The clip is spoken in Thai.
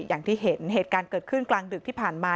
อย่างที่เห็นเหตุการณ์เกิดขึ้นกลางดึกที่ผ่านมา